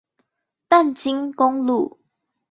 淡金公路